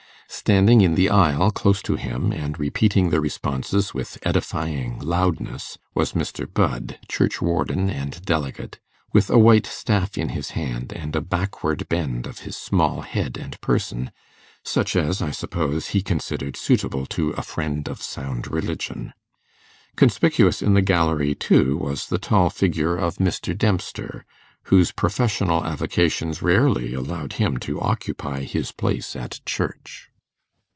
Standing in the aisle close to him, and repeating the responses with edifying loudness, was Mr. Budd, churchwarden and delegate, with a white staff in his hand and a backward bend of his small head and person, such as, I suppose, he considered suitable to a friend of sound religion. Conspicuous in the gallery, too, was the tall figure of Mr. Dempster, whose professional avocations rarely allowed him to occupy his place at church.